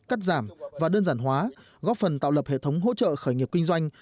cắt giảm và đơn giản hóa góp phần tạo lập hệ thống hỗ trợ khởi nghiệp kinh doanh